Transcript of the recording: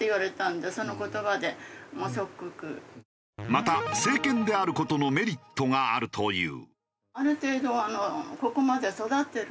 また成犬である事のメリットがあるという。